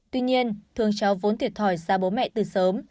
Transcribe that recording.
tuy nhiên thường cháu vốn thiệt thòi ra bố mẹ từ sớm